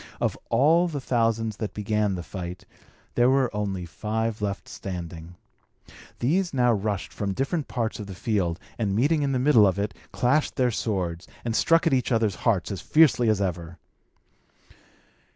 Of all the thousands that began the fight, there were only five left standing. These now rushed from different parts of the field, and, meeting in the middle of it, clashed their swords, and struck at each other's hearts as fiercely as ever.